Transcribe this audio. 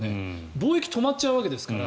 貿易止まっちゃうわけですから。